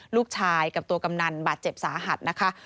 ลูกชายกับตัวกำนันบาดเจ็บสาหัสนะคะ